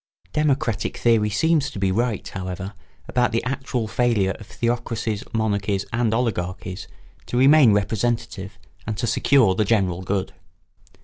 ] Democratic theory seems to be right, however, about the actual failure of theocracies, monarchies, and oligarchies to remain representative and to secure the general good.